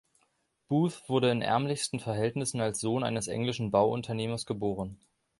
Booth wurde in ärmlichsten Verhältnissen als Sohn eines englischen Bauunternehmers geboren.